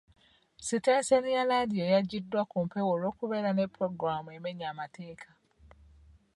Sitenseni ya laadiyo yajiddwa ku mpewo olw'okubeera ne pulogulamu emenya amateeka.